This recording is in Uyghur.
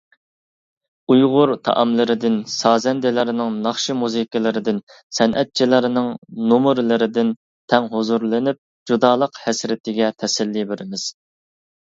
ئۇيغۇر تائاملىرىدىن، سازەندىلەرنىڭ ناخشا -مۇزىكىلىرىدىن، سەنئەتچىلەرنىڭ نومۇرلىرىدىن تەڭ ھۇزۇرلىنىپ، جۇدالىق ھەسرىتىگە تەسەللى بېرىمىز.